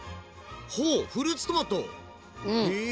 ほうフルーツトマトへえ。